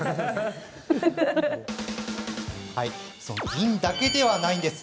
銀だけではないんです。